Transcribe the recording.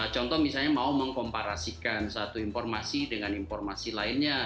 contoh misalnya mau mengkomparasikan satu informasi dengan informasi lainnya